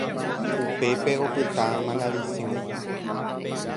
Upépe opyta Malavisiõ.